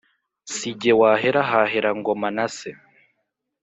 Si jye wahera hahera Ngoma na se